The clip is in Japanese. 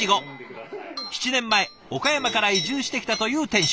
７年前岡山から移住してきたという店主。